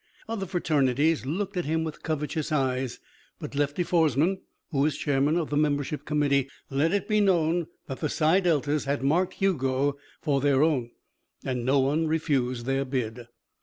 Other fraternities looked at him with covetous eyes, but Lefty Foresman, who was chairman of the membership committee, let it be known that the Psi Deltas had marked Hugo for their own. And no one refused their bid.